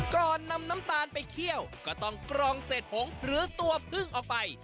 ก่อนนำน้ำตาลไปเคี่ยวก็ต้องกรองเศษผงหรือตัวพึ่งออกไป